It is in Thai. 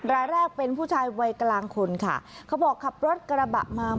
รายแรกเป็นผู้ชายวัยกลางคนค่ะเขาบอกขับรถกระบะมา